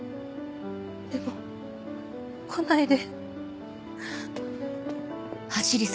でも来ないで。